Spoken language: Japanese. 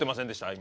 今。